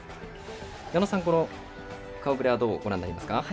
矢野さん、この顔ぶれはどうご覧になりますか？